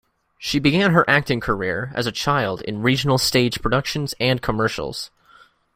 She began her acting career as a child in regional stage productions and commercials.